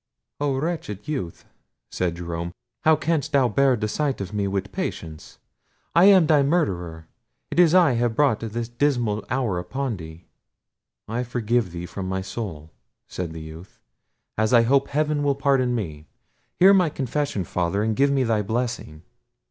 "Oh wretched youth!" said Jerome; "how canst thou bear the sight of me with patience? I am thy murderer! it is I have brought this dismal hour upon thee!" "I forgive thee from my soul," said the youth, "as I hope heaven will pardon me. Hear my confession, Father; and give me thy blessing."